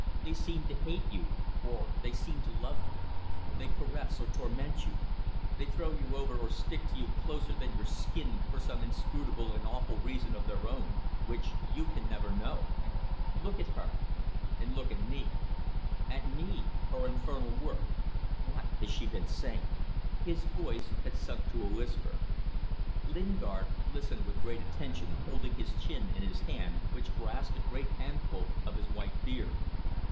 They seem to hate you, or they seem to love you; they caress or torment you; they throw you over or stick to you closer than your skin for some inscrutable and awful reason of their own which you can never know! Look at her and look at me. At me! her infernal work. What has she been saying?" His voice had sunk to a whisper. Lingard listened with great attention, holding his chin in his hand, which grasped a great handful of his white beard.